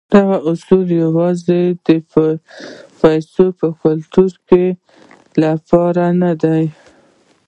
دغه اصول يوازې د پيسو ګټلو لپاره نه دي.